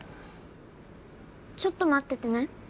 ちょっと待っててね。